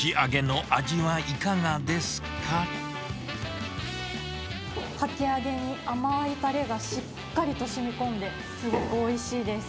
かき揚げに甘いたれがしっかりとしみこんで、すごくおいしいです。